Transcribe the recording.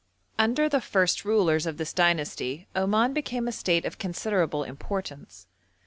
Under the first rulers of this dynasty Oman became a state of considerable importance.